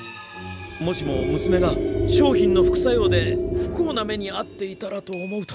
もしもむすめが商品の副作用で不幸な目にあっていたらと思うと。